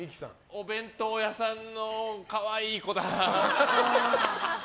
お弁当屋さんの可愛い子だ。